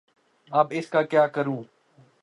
اب اس کا کیا کروں؟